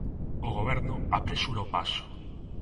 O Goberno apresura o paso.